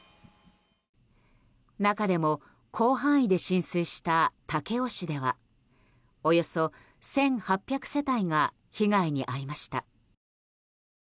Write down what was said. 中でも広範囲で浸水した武雄市ではおよそ１８００世帯が被害に遭いました。